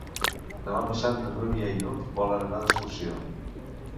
Demà passat na Núria i n'Hug volen anar d'excursió.